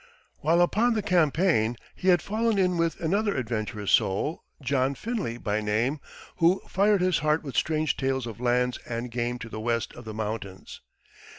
While upon the campaign he had fallen in with another adventurous soul, John Finley by name, who fired his heart with strange tales of lands and game to the west of the mountains.